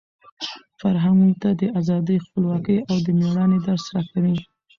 فرهنګ موږ ته د ازادۍ، خپلواکۍ او د مېړانې درس راکوي.